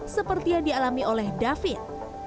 seperti yang dialami oleh david